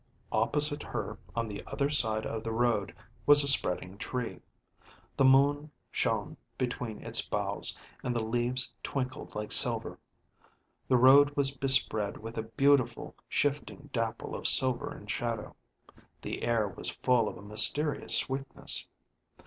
Opposite her, on the other side of the road, was a spreading tree; the moon shone between its boughs, and the leaves twinkled like silver. The road was bespread with a beautiful shifting dapple of silver and shadow; the air was full of a mysterious sweetness.